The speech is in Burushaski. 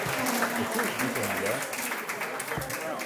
aśuuṣ diśan bila